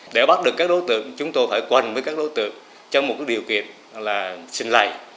để bắt được các đối tượng chúng tôi phải quen với các đối tượng trong một điều kiện là xình lầy